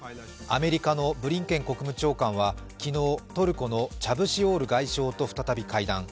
アメリカのブリンケン国務長官は昨日、トルコのチャブシオール外相と再び会談。